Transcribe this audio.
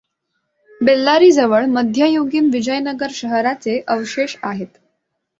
बेल्लारीजवळ मध्ययुगीन विजयनगर शहराचे अवशेष आहेत.